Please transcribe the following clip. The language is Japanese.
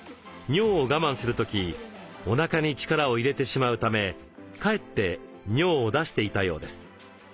尿を我慢する時おなかに力を入れてしまうためかえって尿を出していたようです。